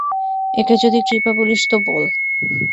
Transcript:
একে যদি কৃপা বলিস তো বল।